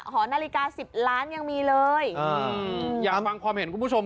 หอนาฬิกาสิบล้านยังมีเลยอยากฟังความเห็นคุณผู้ชม